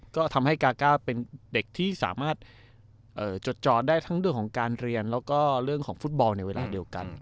ก็ทำให้กาก้าเป็นเด็กที่สามารถจดจอนได้ทั้งเรื่องของการเรียนแล้วก็เรื่องของฟุตบอลในเวลาเดียวกัน